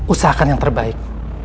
usahakan yang terbaik